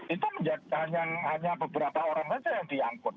itu hanya beberapa orang saja yang diangkut